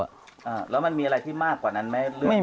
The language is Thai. อ่าแล้วมันมีอะไรที่มากกว่านั้นไหม